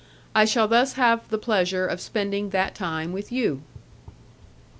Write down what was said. I shall thus have the pleasure of spending that time with you."